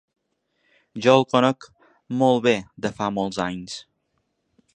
Jo el conec molt bé de fa molts anys.